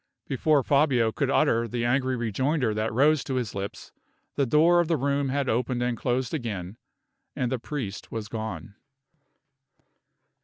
Before Fabio could utter the angry rejoinder that rose to his lips, the door of the room had opened and closed again, and the priest was gone.